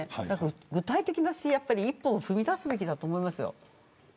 具体的な一歩を踏み出すべきだと思います。